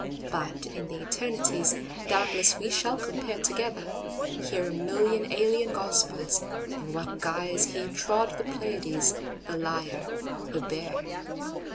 But in the eternities, Doubtless we shall compare together, hearA million alien Gospels, in what guiseHe trod the Pleiades, the Lyre, the Bear.